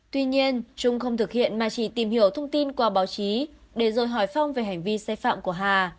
tuy nhiên trung không thực hiện mà chỉ tìm hiểu thông tin qua báo chí để rồi hỏi phong về hành vi sai phạm của hà